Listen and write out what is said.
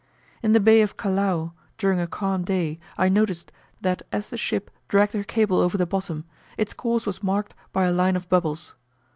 In the Bay of Callao, during a calm day, I noticed, that as the ship dragged her cable over the bottom, its course was marked by a line of bubbles.